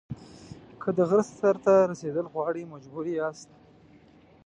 که د غره سر ته رسېدل غواړئ مجبور یاست.